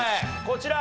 こちら。